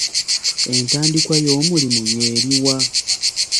Entandikwa y'omulimu y'eri wa?